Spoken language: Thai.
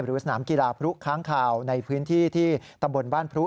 สนามกีฬาพรุค้างคาวในพื้นที่ที่ตำบลบ้านพรุ